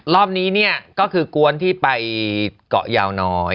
รอบนี้เนี่ยก็คือกวนที่ไปเกาะยาวน้อย